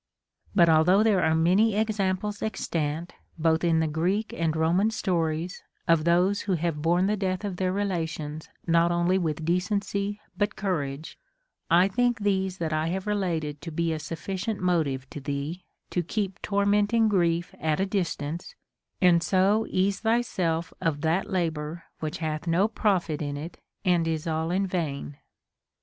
But although there are many examples extant, both in the Greek and Roman stories, of those who have borne the death of their relations not only with de cency but courage, I think these that I have related to be a sufiScient motive to thee to keep tormenting grief at a distance, and so ease thyself of that labor Avhich hath no profit in it and is all in vain.